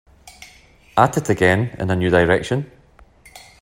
At it again, in a new direction!